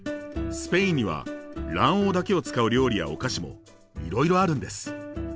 スペインには卵黄だけを使う料理やお菓子もいろいろあるんです。